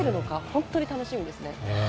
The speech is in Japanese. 本当に楽しみですね。